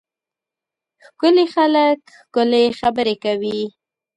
ښکلي خلک ښکلې خبرې کوي.